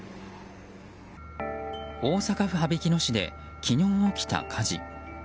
大阪府羽曳野市で昨日起きた火事。